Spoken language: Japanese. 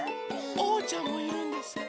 おうちゃんもいるんですよ。